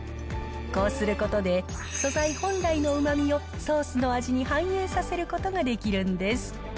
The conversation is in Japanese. こうすることで、素材本来のうまみをソースの味に反映させることができるんです。